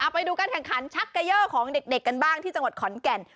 ไปดูการแข่งขันชักเกยอร์ของเด็กกันบ้างที่จังหวัดขอนแก่น